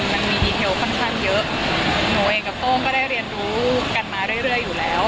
มันมีดีเทลค่อนข้างเยอะหนูเองกับโต้งก็ได้เรียนรู้กันมาเรื่อยอยู่แล้ว